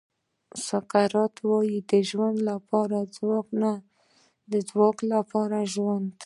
سقراط وایي د ژوند لپاره خوراک نه د خوراک لپاره ژوند.